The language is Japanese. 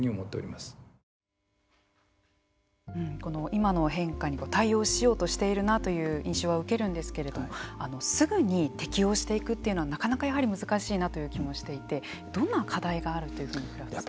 今の変化に対応しようとしているなという印象は受けるんですけれどもすぐに適応していくというのはなかなか難しいなという気もしていてどんな課題があるというふうにクラフトさん。